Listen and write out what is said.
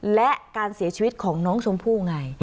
และการเสียชีวิตของน้องชมพู่ไง